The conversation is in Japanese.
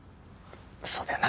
そうだよな。